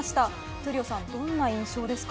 闘莉王さん、どんな印象ですか。